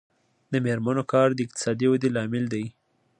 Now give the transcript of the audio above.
د میرمنو کار د اقتصادي ودې لامل دی.